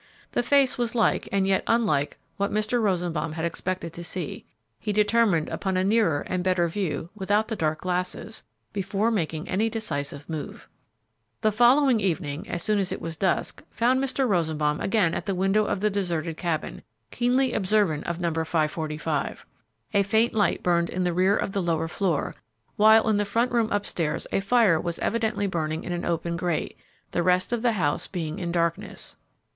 The face was like and yet unlike what Mr. Rosenbaum had expected to see; he determined upon a nearer and better view, without the dark glasses, before making any decisive move. The following evening, as soon as it was dusk, found Mr. Rosenbaum again at the window of the deserted cabin, keenly observant of No. 545. A faint light burned in the rear of the lower floor, while in the front room upstairs a fire was evidently burning in an open grate, the rest of the house being in darkness.